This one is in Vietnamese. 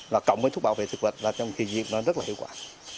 và cộng với thuốc bảo vệ thực vật là trong khi diễn nó rất là hiệu quả